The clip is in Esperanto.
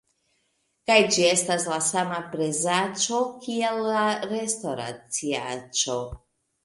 kaj ĝi estas la sama prezaĉo kiel la restoraciaĉo!